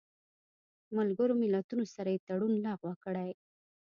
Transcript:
ملګرو ملتونو سره یې تړون لغوه کړی